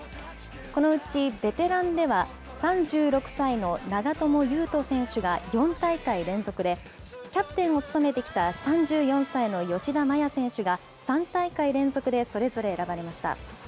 このうち、ベテランでは、３６歳の長友佑都選手が４大会連続で、キャプテンを務めてきた３４歳の吉田麻也選手が、３大会連続でそれぞれ選ばれました。